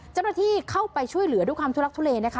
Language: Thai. เจ้าหน้าที่เข้าไปช่วยเหลือด้วยความทุลักทุเลนะคะ